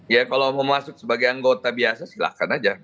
ya kalau mau masuk sebagai anggota biasa silahkan aja